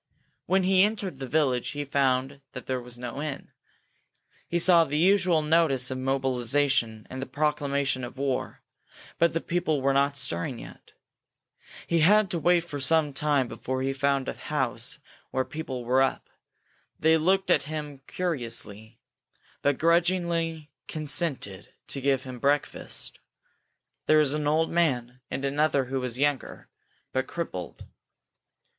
When he entered the village he found that there was no inn. He saw the usual notice of mobilization and the proclamation of war, but the people were not stirring yet. He had to wait for some time before he found a house where people were up. They looked at him curiously, but grudgingly consented to give him breakfast. There was an old man, and another who was younger, but crippled.